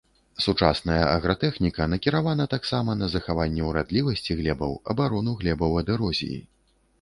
Сучасная агратэхніка накіравана таксама на захаванне ўрадлівасці глебаў, абарону глебаў ад эрозіі.